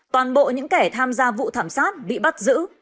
toàn bộ những kẻ tham gia vụ thảm sát bị bắt giữ